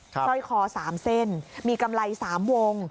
สร้อยคอ๓เส้นมีกำไร๓วง